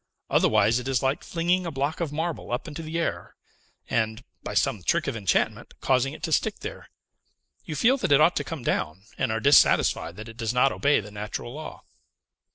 Otherwise, it is like flinging a block of marble up into the air, and, by some trick of enchantment, causing it to stick there. You feel that it ought to come down, and are dissatisfied that it does not obey the natural law."